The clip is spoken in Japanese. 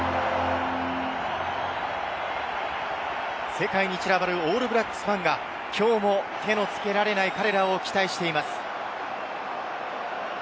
世界に散らばるオールブラックスファンが、きょうも手の付けられない彼らを期待しています。